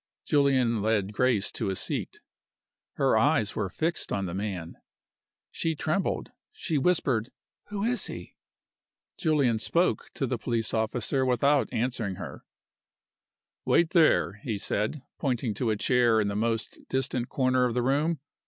Julian led Grace to a seat. Her eyes were fixed on the man. She trembled she whispered, "Who is he?" Julian spoke to the police officer without answering her. "Wait there," he said, pointing to a chair in the most distant corner of the room.